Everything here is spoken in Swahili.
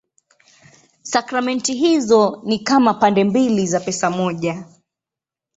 Sakramenti hizo ni kama pande mbili za pesa moja.